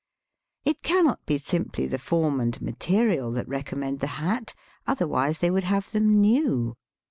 It cannot be simply the form and material that recommend the hat, otherwise they would have them new.